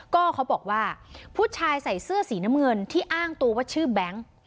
ก็เขาบอกว่าผู้ชายใส่เสื้อสีน้ำเงินที่อ้างตัวว่าชื่อแบงค์